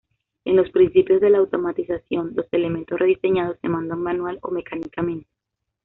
En los principios de la automatización, los elementos rediseñados se mandan manual o mecánicamente.